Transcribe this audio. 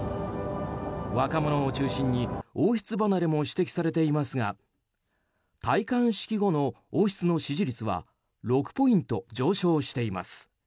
若者を中心に王室離れも指摘されていますが戴冠式後の王室の支持率は６ポイント上昇しています。